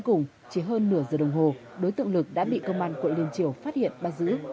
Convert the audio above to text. cùng chỉ hơn nửa giờ đồng hồ đối tượng lực đã bị công an quận liên triều phát hiện bắt giữ